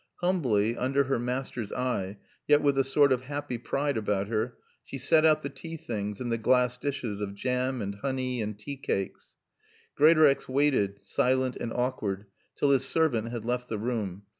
Humbly, under her master's eye, yet with a sort of happy pride about her, she set out the tea things and the glass dishes of jam and honey and tea cakes. Greatorex waited, silent and awkward, till his servant had left the room.